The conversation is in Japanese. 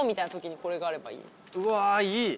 うわいい。